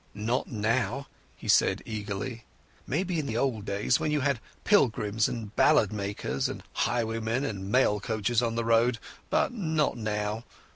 "Not now," he said eagerly. "Maybe in the old days when you had pilgrims and ballad makers and highwaymen and mail coaches on the road. But not now.